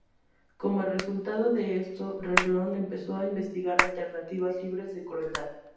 Como resultado de esto, Revlon empezó a investigar alternativas "libres de crueldad".